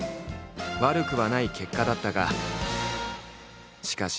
悪くはない結果だったがしかし。